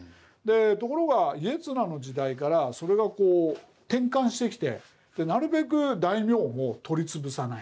ところが家綱の時代からそれが転換してきてなるべく大名も取り潰さない。